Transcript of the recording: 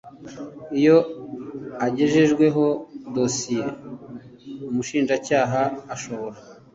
iyo agejejweho dosiye umushinjacyaha ashobora